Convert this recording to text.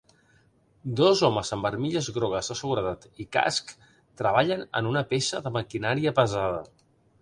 Dos homes amb armilles grogues de seguretat i casco treballen en una peça de maquinària pesada.